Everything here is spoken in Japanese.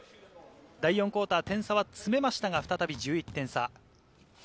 第４クオーター、差は詰めましたが再び１１点差。